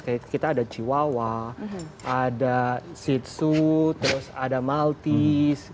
kayak kita ada chihuahua ada shih tzu terus ada maltese